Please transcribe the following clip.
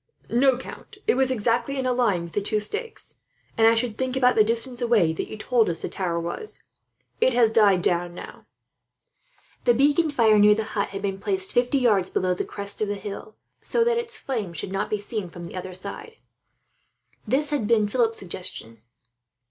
"No, count, it was exactly in a line with the two stakes and, I should think, about the distance away that you told us the tower was. It has died down now." The beacon fire near the hut had been placed fifty yards below the crest of the hill, so that its flame should not be seen from the other side. This had been at Philip's suggestion.